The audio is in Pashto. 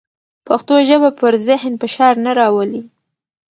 پښتو ژبه پر ذهن فشار نه راولي.